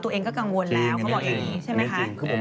ตัวเองก็กังวลแล้วเขาบอกอย่างนี้ใช่ไหมคะ